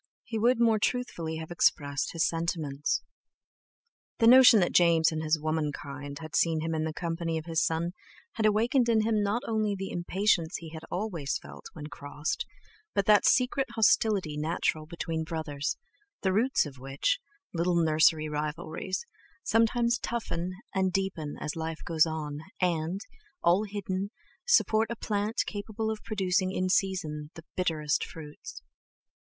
he would more truthfully have expressed his sentiments. The notion that James and his womankind had seen him in the company of his son had awakened in him not only the impatience he always felt when crossed, but that secret hostility natural between brothers, the roots of which—little nursery rivalries—sometimes toughen and deepen as life goes on, and, all hidden, support a plant capable of producing in season the bitterest fruits.